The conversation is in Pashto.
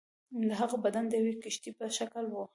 د هغه بدن د یوې کښتۍ په شکل وو.